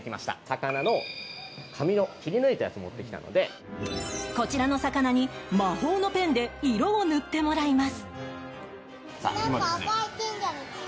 魚の紙の切り抜いたやつを持ってきたのでこちらの魚に魔法のペンで色を塗ってもらいます。